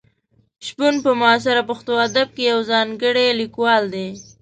شپون په معاصر پښتو ادب کې یو ځانګړی لیکوال دی.